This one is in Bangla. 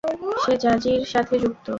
সে জাজির সাথে যুক্ত।